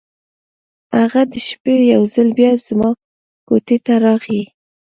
هغه د شپې یو ځل بیا زما کوټې ته راغی.